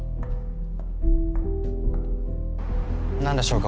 何でしょうか？